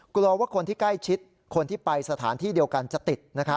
กลัวว่าคนที่ใกล้ชิดคนที่ไปสถานที่เดียวกันจะติด